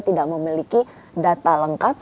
tidak memiliki data lengkap